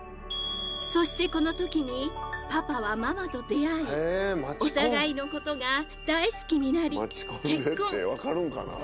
そしてこの時にパパはママと出会いお互いの事が大好きになり結婚。